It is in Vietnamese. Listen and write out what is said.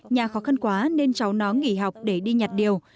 nhà khó khăn quá nên cháu nó nghỉ học để đi nhặt điều